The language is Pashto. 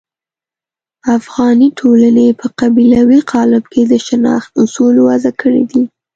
افغاني ټولنې په قبیلوي قالب کې د شناخت اصول وضع کړي دي.